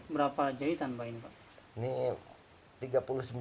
berapa jahitan pak ini pak